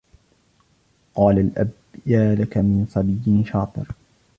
قال الأب يالك من صبي شاطر